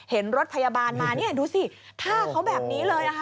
เห็นรถพยาบาลมานี่ดูสิฆ่าเขาแบบนี้เลยค่ะ